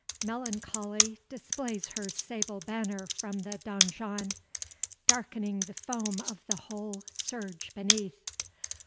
Melancholy Displays her sable banner from the donjon, Darkening the foam of the whole surge beneath.